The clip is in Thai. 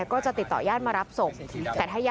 ผมยังอยากรู้ว่าว่ามันไล่ยิงคนทำไมวะ